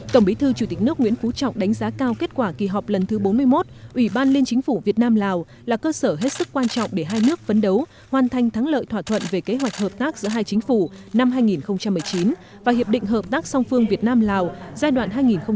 tổng bí thư chủ tịch nước nguyễn phú trọng đánh giá cao kết quả kỳ họp lần thứ bốn mươi một ủy ban liên chính phủ việt nam lào là cơ sở hết sức quan trọng để hai nước phấn đấu hoàn thành thắng lợi thỏa thuận về kế hoạch hợp tác giữa hai chính phủ năm hai nghìn một mươi chín và hiệp định hợp tác song phương việt nam lào giai đoạn hai nghìn một mươi sáu hai nghìn hai mươi